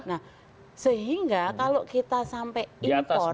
nah sehingga kalau kita sampai impor